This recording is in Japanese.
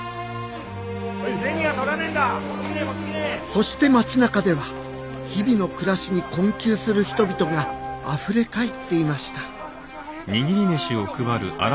そして町なかでは日々の暮らしに困窮する人々があふれ返っていました